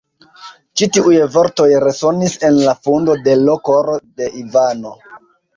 Ĉi tiuj vortoj resonis en la fundo de l' koro de Ivano.